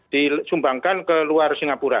disumbangkan ke luar singapura